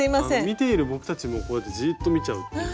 見ている僕たちもこうやってじっと見ちゃうっていう。